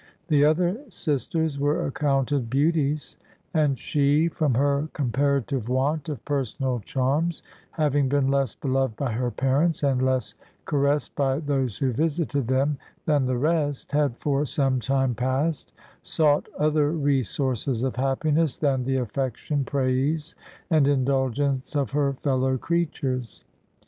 The other sisters were accounted beauties; and she, from her comparative want of personal charms, having been less beloved by her parents, and less caressed by those who visited them, than the rest, had for some time past sought other resources of happiness than the affection, praise, and indulgence of her fellow creatures.